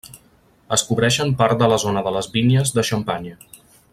Es cobreixen part de la zona de les Vinyes de Xampanya.